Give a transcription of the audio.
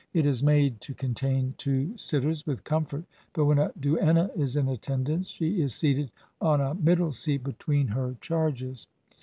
It is made to contain two sitters with comfort, but when a duenna is in attendance, she is seated on a middle seat between her charges.